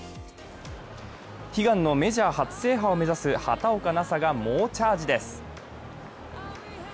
悲願のメジャー初制覇を目指す畑岡奈紗が猛チャージです。